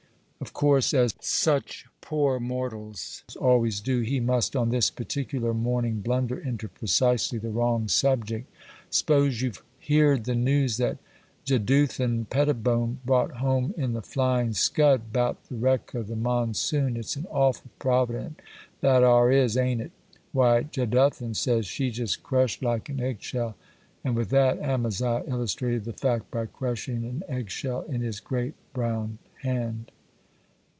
Of course, as such poor mortals always do, he must, on this particular morning, blunder into precisely the wrong subject. 'S'pose you've heerd the news that Jeduthan Pettibone brought home in the "Flying Scud," 'bout the wreck o' the "Monsoon;" it's an awful providence, that 'ar' is—a'n't it? Why Jeduthan says she jest crushed like an egg shell'—and with that Amaziah illustrated the fact by crushing an egg shell in his great brown hand.